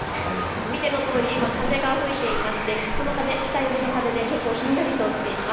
見てのとおり今、風が吹いていましてこの風、北寄りの風で結構ひんやりとしています。